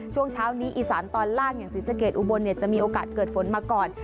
ช่วงเช้านี้อีสานตอนล่างอย่างศรีสะเกดอุบลจะมีโอกาสเกิดฝนมาก่อน